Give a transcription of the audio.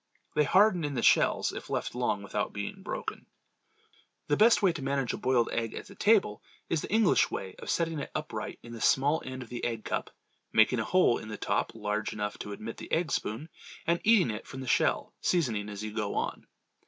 They harden in the shells if left long without being broken. The best way to manage a boiled egg at the table is the English way of setting it upright in the small end of the egg cup, making a hole in the top large enough to admit the egg spoon, and eating it from the shell, seasoning as you go on.